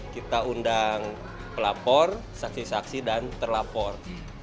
kita undang pelapor saksi saksi dan terlapor